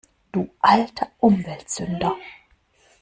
Du alter Umweltsünder!